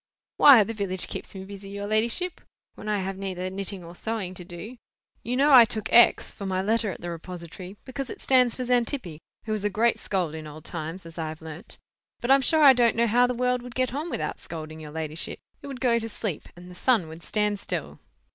"Why, the village keeps me busy, your ladyship, when I have neither knitting or sewing to do. You know I took X. for my letter at the repository, because it stands for Xantippe, who was a great scold in old times, as I have learnt. But I'm sure I don't know how the world would get on without scolding, your ladyship. It would go to sleep, and the sun would stand still."